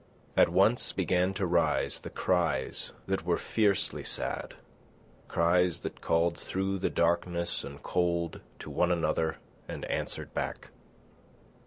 At once began to rise the cries that were fiercely sad—cries that called through the darkness and cold to one another and answered back.